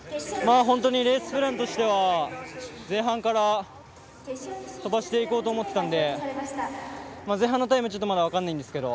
レースプランとしては前半から飛ばしていこうと思っていたので前半のタイムはちょっとまだ分からないんですけど。